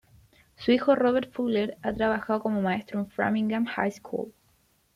Su hijo Robert Fuller ha trabajado como maestro en Framingham High School.